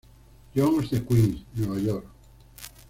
John's de Queens, Nueva York.